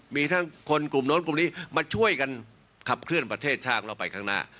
มีทั้งคนกลุ่มโน้นกลุ่มนี้มาช่วยกันขับเคลื่อนประเทศชาติเราไปข้างหน้า